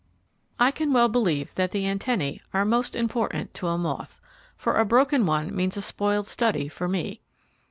I can well believe that the antennae are most important to a moth, for a broken one means a spoiled study for me.